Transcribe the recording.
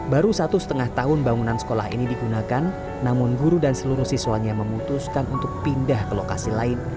baru satu setengah tahun bangunan sekolah ini digunakan namun guru dan seluruh siswanya memutuskan untuk pindah ke lokasi lain